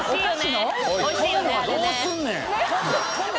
「とん」どうすんねん。